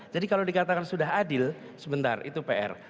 jadi kalau dikatakan sudah adil sebentar itu pr